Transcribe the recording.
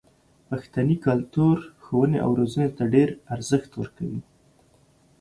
پښتني کلتور ښوونې او روزنې ته ډېر ارزښت ورکوي.